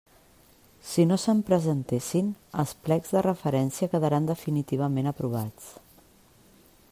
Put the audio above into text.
Si no se'n presentessin, els plecs de referència quedaran definitivament aprovats.